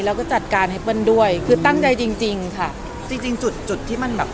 แล้วก็จัดการให้เปิ้ลด้วยคือตั้งใจจริงจริงค่ะจริงจริงจุดจุดที่มันแบบ